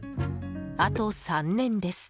あと３年です。